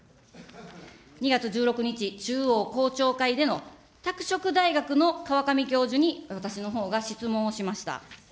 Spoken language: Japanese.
２月１６日、中央公聴会での拓殖大学の川上教授に私のほうが質問をしました。